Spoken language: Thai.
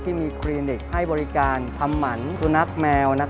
ที่มีคลินิกให้บริการทำหมันสุนัขแมว